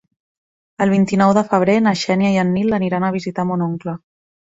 El vint-i-nou de febrer na Xènia i en Nil aniran a visitar mon oncle.